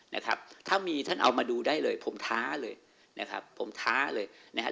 นะครับถ้ามีท่านเอามาดูได้เลยผมท้าเลยนะครับผมท้าเลยนะฮะ